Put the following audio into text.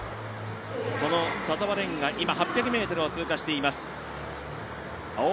その田澤廉が今、８００ｍを通過しています。